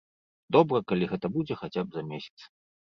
Добра, калі гэта будзе хаця б за месяц.